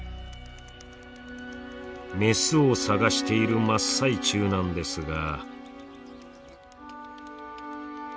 メスを探している真っ最中なんですが。